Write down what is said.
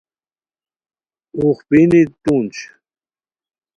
اوغ پینی ٹونج